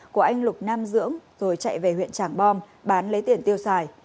của anh lục nam dưỡng rồi chạy về huyện tràng bom bán lấy tiền tiêu xài